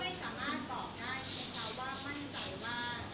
แต่หนูก็ไม่สามารถตอบได้ที่เขาว่ามั่นใจว่า